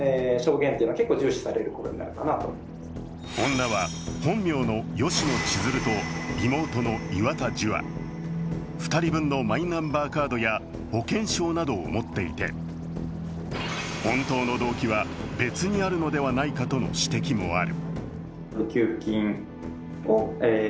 女は本名の吉野千鶴と妹の岩田樹亜、２人分のマイナンバーカードや保険証などを持っていて本当の動機は別にあるのではないかとの指摘もある。